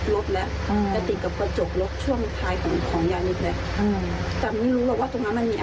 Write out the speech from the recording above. น้ำอย่าจมลงไปมากกว่านี้